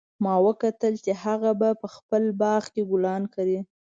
ما وکتل چې هغه په خپل باغ کې ګلان کري